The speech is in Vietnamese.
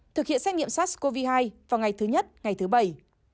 thực hiện xét nghiệm sars cov hai vào ngày thứ nhất ngày thứ bảy